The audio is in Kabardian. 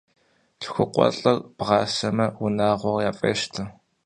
ЛъхукъуэлӀыр бгъаӀэсмэ, унагъуэр яфӀещтэ.